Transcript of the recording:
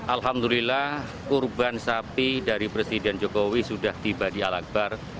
alhamdulillah kurban sapi dari presiden jokowi sudah tiba di al akbar